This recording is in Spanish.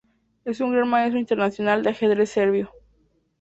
Es un Gran Maestro Internacional de ajedrez serbio.